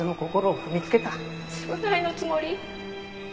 償いのつもり？